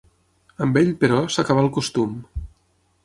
Amb ell, però, s'acabà el costum.